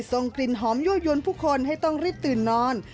ส่งกลิ่นหอมยั่วยวนผู้คนให้ต้องรีบตื่นนอน